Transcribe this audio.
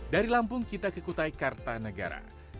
dari lampung kita ke kutai kartanegara